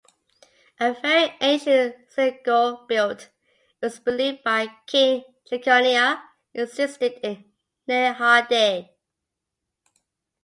A very ancient synagogue, built, it was believed, by King Jeconiah, existed in Nehardea.